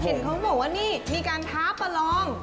เห็นเขาบอกว่านี่มีการท้าประลอง